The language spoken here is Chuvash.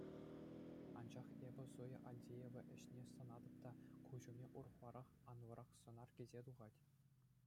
Анчах эпӗ Зоя Альдеева ӗҫне сӑнатӑп та, куҫ умне урӑхларах, анлӑрах сӑнар килсе тухать.